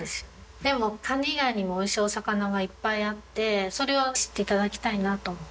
でもカニ以外にも美味しいお魚がいっぱいあってそれを知って頂きたいなと思って。